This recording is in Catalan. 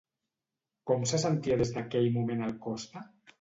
Com se sentia des d'aquell moment el Costa?